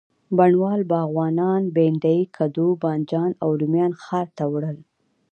بڼوال، باغوانان، بینډۍ، کدو، بانجان او رومیان ښار ته وړل.